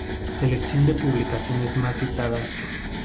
Selección de publicaciones más citadasː